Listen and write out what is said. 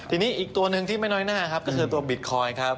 ทีนี้อีกตัวหนึ่งที่ไม่นอนหน้าคือตัวบิทคอยณ์ครับ